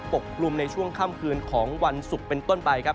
กลุ่มในช่วงค่ำคืนของวันศุกร์เป็นต้นไปครับ